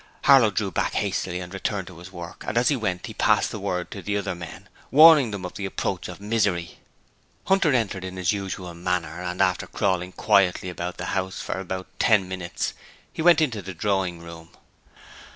Harlow drew back hastily and returned to his work, and as he went he passed the word to the other men, warning them of the approach of Misery. Hunter entered in his usual manner and, after crawling quietly about the house for about ten minutes, he went into the drawing room.